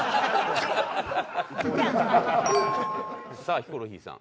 さあヒコロヒーさん。